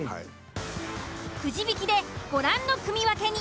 くじ引きでご覧の組分けに。